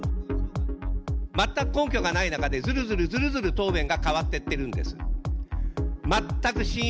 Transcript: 全く根拠がない中で、ずるずるずるずる答弁が変わっていってるんです。